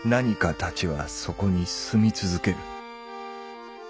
たちはそこに住み続ける。